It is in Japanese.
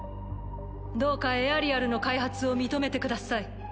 どうかエアリアルの開発を認めてください。